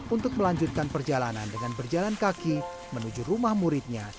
untuk melanjutkan perjalanan dengan berjalan kaki menuju rumah muridnya